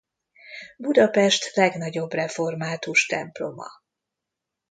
Budapest legnagyobb református temploma.